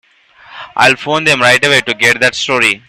I'll phone them right away to get that story.